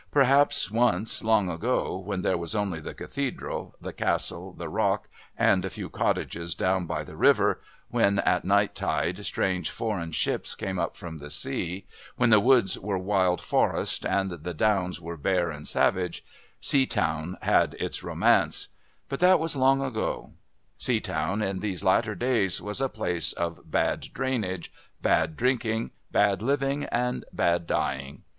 Perhaps once long ago, when there were only the Cathedral, the Castle, the Rock, and a few cottages down by the river, when, at night tide, strange foreign ships came up from the sea, when the woods were wild forest and the downs were bare and savage, Seatown had its romance, but that was long ago. Seatown, in these latter days, was a place of bad drainage, bad drinking, bad living and bad dying.